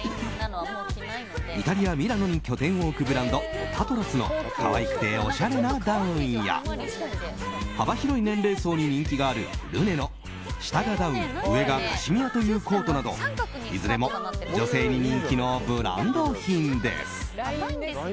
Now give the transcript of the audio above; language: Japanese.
イタリア・ミラノに拠点を置くブランド、タトラスの可愛くておしゃれなダウンや幅広い年齢層に人気があるルネの下がダウン、上がカシミヤというコートなどいずれも女性に人気のブランド品です。